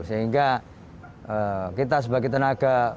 sehingga kita sebagai tenaga